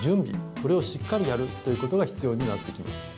これをしっかりやるということが必要になってきます。